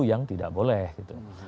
yang tidak boleh gitu